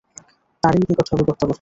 তারই নিকট হবে প্রত্যাবর্তন।